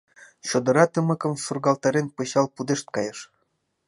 Чодыра тымыкым сургалтарен пычал пудешт кайыш.